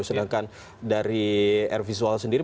sedangkan dari air visual sendiri